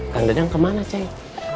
kang dadang kemana ceng